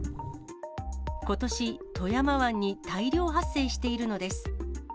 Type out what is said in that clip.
ことし、富山湾に大量発生しているのです。